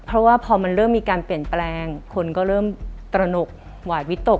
เพราะว่าพอมันเริ่มมีการเปลี่ยนแปลงคนก็เริ่มตระหนกหวาดวิตก